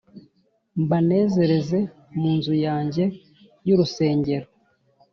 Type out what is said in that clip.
mbanezereze mu nzu yanjye y’urusengero;